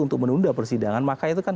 untuk menunda persidangan maka itu kan